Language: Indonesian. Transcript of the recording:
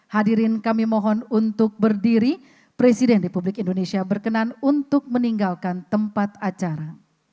hadirin kami mohon untuk berdiri presiden republik indonesia berkenan untuk meninggalkan tempat acara